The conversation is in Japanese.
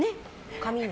紙に。